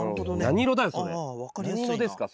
何色ですか？